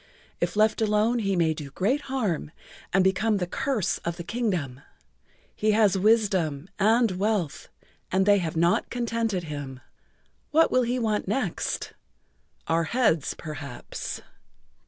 If left alone he may do great harm and become the curse of the Kingdom. He has wisdom and wealth and they have not contented him. What will he want next? Our heads, perhaps."